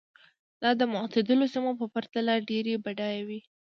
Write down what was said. دا د معتدلو سیمو په پرتله ډېرې بډایه وې.